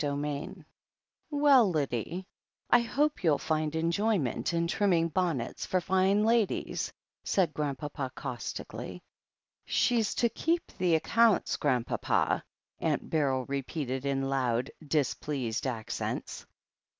VII "Well, Lyddie, I hope you'll find enjoyment in trimming bonnets for fine ladies," said Grandpapa caustically. "She's to keep the accounts, Grandpapa," ^unt Beryl repeated in loud, displeased accents.